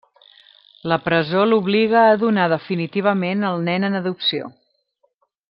La presó l'obliga a donar definitivament el nen en adopció.